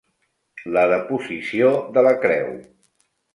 La deposició de la Creu.